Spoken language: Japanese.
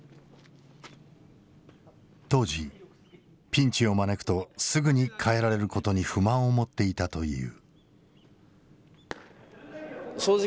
当時ピンチを招くとすぐに代えられることに不満を持っていたという。